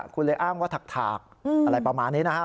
คุณเลยอ้างว่าถากอะไรประมาณนี้นะฮะ